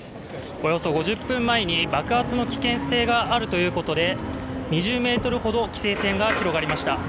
およそ５０分前に爆発の危険性があるということで、２０ｍほど規制線が広がりました。